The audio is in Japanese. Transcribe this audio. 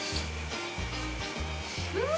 うん！